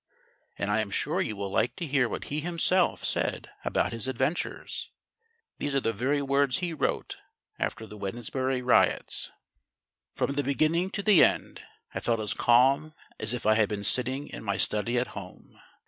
and I am sure you will like to hear what he himself said about his adventures. These are the very words he wrote after the Wednesbury riots: "From the beginning to the end, I felt as calm as if I had been sitting in my study at home.